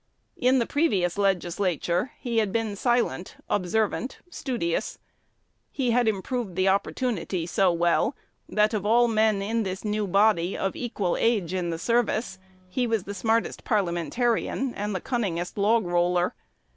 In the previous Legislature he had been silent, observant, studious. He had improved the opportunity so well, that of all men in this new body, of equal age in the service, he was the smartest parliamentarian and the cunningest "log roller."